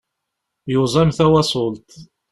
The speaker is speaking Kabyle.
Yuẓam tawaṣult.